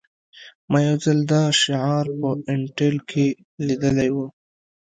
ما یو ځل دا شعار په انټیل کې لیدلی و